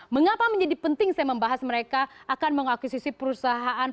mengapa menjadi penting saya membahas mereka akan mengakuisisi perusahaan